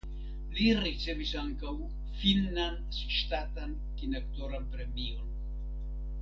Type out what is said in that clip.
Li ricevis ankaŭ finnan ŝtatan kinaktoran premion.